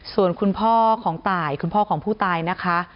ส่วนคุณพ่อของตายคุณพ่อของผู้ตายนะคะ